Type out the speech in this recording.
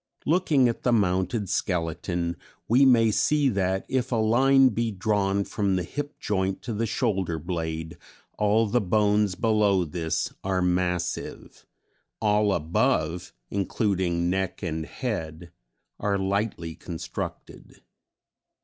"Looking at the mounted skeleton we may see that if a line be drawn from the hip joint to the shoulder blade, all the bones below this are massive, all above (including neck and head) are lightly constructed.